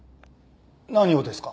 何をですか？